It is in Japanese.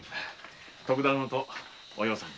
徳田殿とお葉さんに。